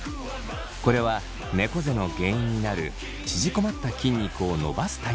これはねこ背の原因になる縮こまった筋肉を伸ばす体操です。